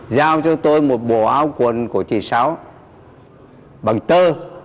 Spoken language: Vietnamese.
giao cho tôi một bộ áo quần của chị sáu bằng tơ